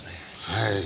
はい。